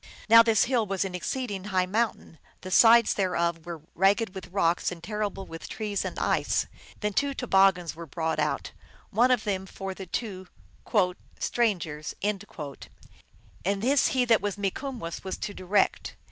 Now this hill was an exceed ing high mountain ; the sides thereof were ragged with rocks and terrible with trees and ice. Then two toboggins l were brought out, one of them for the two "strangers, and this he that was Mikumwess was to direct.